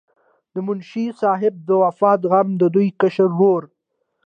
د منشي صاحب د وفات غم د دوي کشر ورور